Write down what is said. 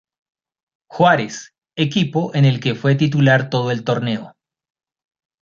Juárez, equipo en el que fue titular todo el torneo.